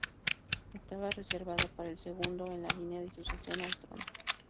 Estaba reservado para el segundo en la línea de sucesión al trono.